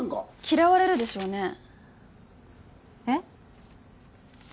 嫌われるでしょうねえっ？